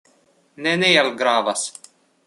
Neniel gravas.